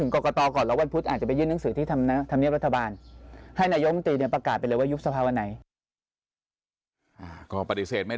ก็ปฏิเสธไม่ได้นะครับ